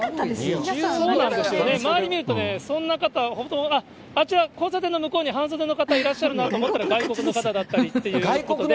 周り見ると、あちら、交差点の向こうに半袖の方いらっしゃるなと思ったら、外国の方だったりいう。